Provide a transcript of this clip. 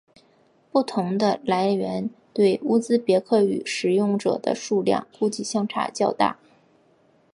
不同的来源对乌兹别克语使用者的数量估计相差较大。